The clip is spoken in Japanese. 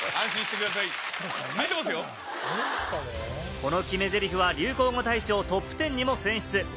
この決めゼリフは、流行語大賞トップ１０にも選出。